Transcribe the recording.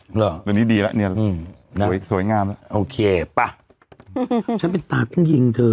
เหรอตัวนี้ดีแล้วเนี่ยสวยงามแล้วโอเคป่ะฉันเป็นตากุ้งยิงเธอ